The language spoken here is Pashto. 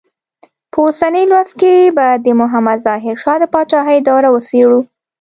په اوسني لوست کې به د محمد ظاهر شاه د پاچاهۍ دوره وڅېړو.